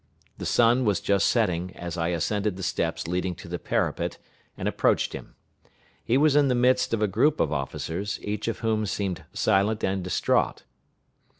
The sun was just setting as I ascended the steps leading to the parapet and approached him. He was in the midst of a group of officers, each of whom seemed silent and distrait.